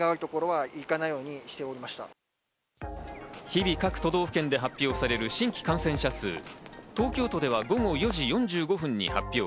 日々、各都道府県で発表される新規感染者数、東京都では午後４時４５分に発表。